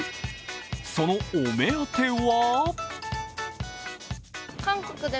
そのお目当ては？